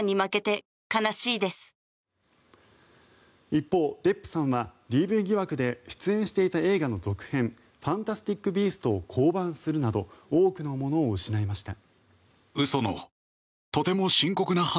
一方、デップさんはＤＶ疑惑で出演していた映画の続編「ファンタスティック・ビースト」を降板するなど多くのものを失いました。